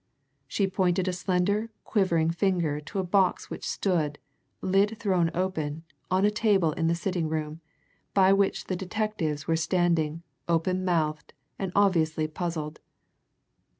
She pointed a slender, quivering finger to a box which stood, lid thrown open, on a table in the sitting room, by which the detectives were standing, open mouthed, and obviously puzzled.